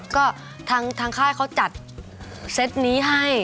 ก็ทางค่ายเขาจัดเซตนี้ให้